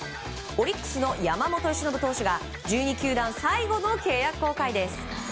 オリックスの山本由伸投手が１２球団最後の契約更改です。